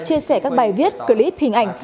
chia sẻ các bài viết clip hình ảnh